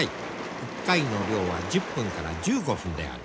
１回の漁は１０分から１５分である。